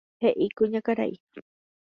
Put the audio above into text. He'i kuñakarai.